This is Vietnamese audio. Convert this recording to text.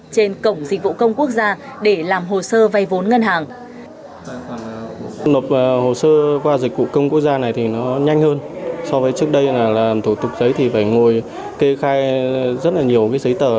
trên cổng dịch vụ công quốc gia để làm hồ sơ vay vốn ngân hàng